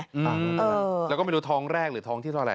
อืมแล้วก็ไม่รู้ท้องแรกหรือท้องที่ต้องอะไร